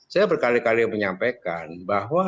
saya berkali kali menyampaikan bahwa